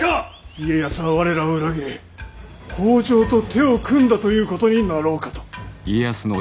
家康は我らを裏切り北条と手を組んだということになろうかと。